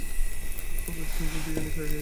খুব এক্সপেন্সিভ ডিজাইনের শাড়ি এটা।